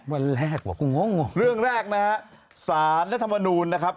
วันแรกหว่ากูงงเรื่องแรกนะฮะสาธารณมนุษย์นะครับ